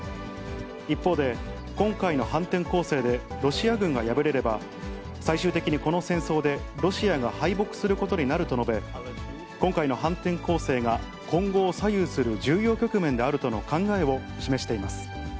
一方で、今回の反転攻勢でロシア軍が敗れれば、最終的にこの戦争でロシアが敗北することになると述べ、今回の反転攻勢が今後を左右する重要局面であるとの考えを示しています。